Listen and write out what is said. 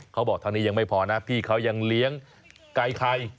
เขาบอกเท่านี้ยังไม่พอนะพี่เขายังเลี้ยงไก่ไข่